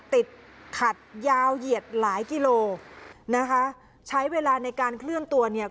ติดขัดยาวเหยียดหลายกิโลนะคะใช้เวลาในการเคลื่อนตัวเนี่ย